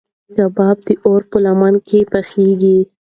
کباب د اور په لمبو کې پخېږي.